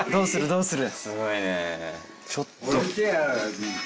どうする？